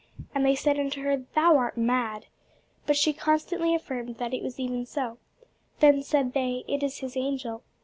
And they said unto her, Thou art mad. But she constantly affirmed that it was even so. Then said they, It is his angel.